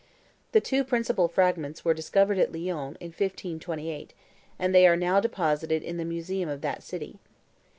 The two principal fragments were discovered at Lyons, in 1528, and they are now deposited in the Museum of that city.